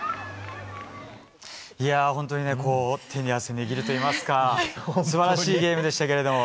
本当に手に汗握るといいますか素晴らしいゲームでしたけども。